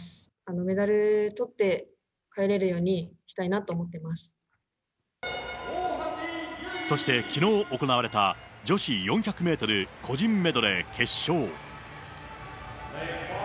メダルとって帰れるようにしたいそして、きのう行われた女子４００メートル個人メドレー決勝。